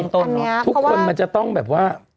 ทุกคนมันจะต้องแบบว่า